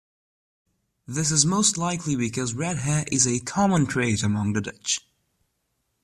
This is most likely because red hair is a common trait among the Dutch.